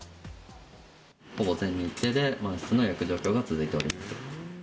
ほぼ全日程で満室の予約状況が続いております。